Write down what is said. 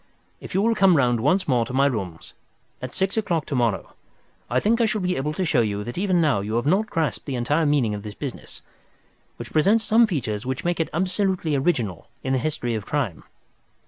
If you will come round once more to my rooms at six o'clock to morrow, I think I shall be able to show you that even now you have not grasped the entire meaning of this business, which presents some features which make it absolutely original in the history of crime.